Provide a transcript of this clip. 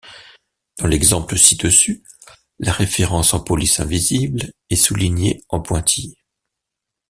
Dans l'exemple ci-dessus, la référence en police invisible est soulignée en pointillés.